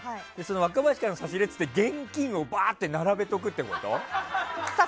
若林からの差し入れって現金を並べておくってこと？